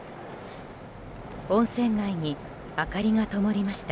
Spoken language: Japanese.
温泉街に明かりがともりました。